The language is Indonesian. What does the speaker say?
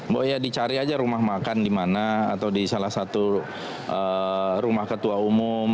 bahwa ya dicari aja rumah makan di mana atau di salah satu rumah ketua umum